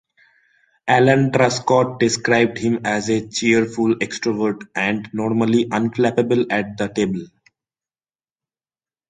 Alan Truscott described him as "a cheerful extrovert" and "normally unflappable at the table".